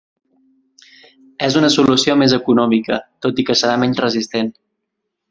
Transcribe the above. És una solució més econòmica, tot i que serà menys resistent.